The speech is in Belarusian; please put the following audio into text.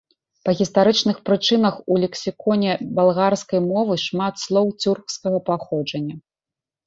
Па гістарычных прычынах у лексіконе балгарскай мовы шмат слоў цюркскага паходжання.